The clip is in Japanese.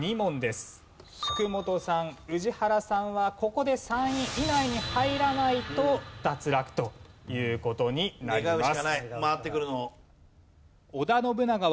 福本さん宇治原さんはここで３位以内に入らないと脱落という事になります。